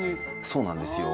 そうなんですよ。